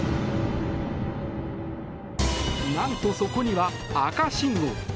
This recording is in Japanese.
何とそこには赤信号。